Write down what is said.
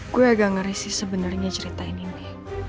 gue gak ngeri sih sebenernya ceritain ini